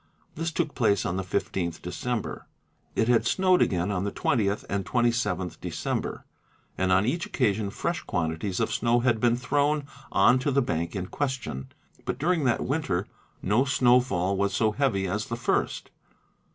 'This took place on the 15th December. It had snowed again on the 20th and 27th December, and on each occasion fresh quantities of snow had been thrown on to the bank in question, but during that winter "no snowfall was so heavy as the first.